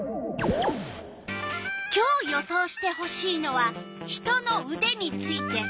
今日予想してほしいのは人のうでについて。